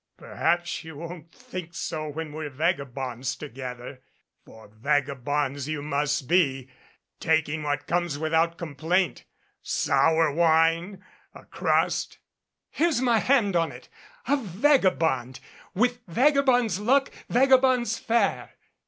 "Perhaps you won't think so when we're vagabonds together ; for vagabonds you must be taking what comes without complaint sour wine a crust " "Here's my hand on it a vagabond with vagabond's luck vagabond's fare."